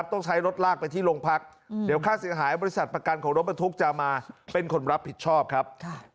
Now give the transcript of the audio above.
ต้องใช้รถลากไปที่โรงพักเดี๋ยวค่าเสียหายบริษัทประกันของรถบรรทุกจะมาเป็นคนรับผิดชอบครับ